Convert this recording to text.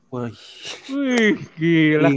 wih gila keren banget